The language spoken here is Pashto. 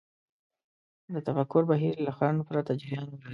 د تفکر بهير له خنډ پرته جريان ولري.